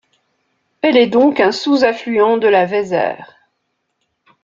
Elle est donc un sous-affluent de la Weser.